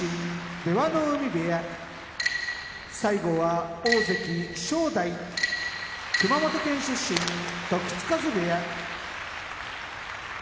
出羽海部屋大関・正代熊本県出身時津風部屋